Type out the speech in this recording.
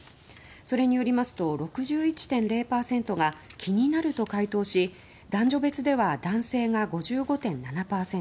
それによりますと６１．０％が気になると回答し男女別では男性が５５．７％